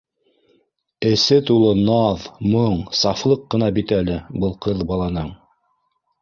Эсе тулы наҙ, моң, сафлыҡ ҡына бит әле был ҡыҙ баланың